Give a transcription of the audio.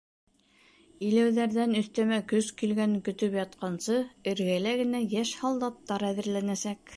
Иләүҙәрҙән өҫтәмә кос килгәнен көтөп ятҡансы, эргәлә генә йәш һалдаттар әҙерләнәсәк.